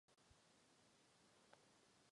Autorem všech skladeb je John Coltrane.